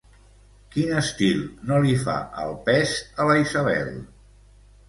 Quin estil no li fa el pes a la Isabel?